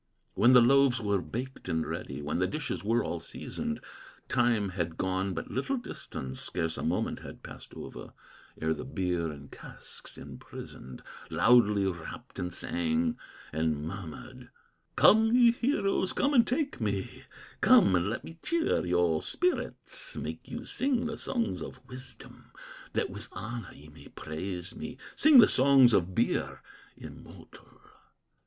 When the loaves were baked and ready, When the dishes all were seasoned, Time had gone but little distance, Scarce a moment had passed over, Ere the beer, in casks imprisoned, Loudly rapped, and sang, and murmured: "Come, ye heroes, come and take me, Come and let me cheer your spirits, Make you sing the songs of wisdom, That with honor ye may praise me, Sing the songs of beer immortal!"